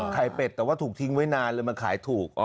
เป็ดแต่ว่าถูกทิ้งไว้นานเลยมันขายถูก